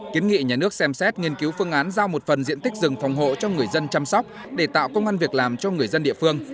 kiến nghị nhà nước xem xét nghiên cứu phương án giao một phần diện tích rừng phòng hộ cho người dân chăm sóc để tạo công an việc làm cho người dân địa phương